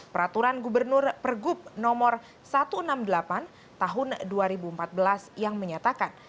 peraturan gubernur pergub nomor satu ratus enam puluh delapan tahun dua ribu empat belas yang menyatakan